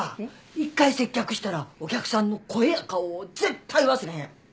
一回接客したらお客さんの声や顔を絶対忘れへん。